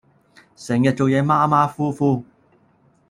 成日做野馬馬虎虎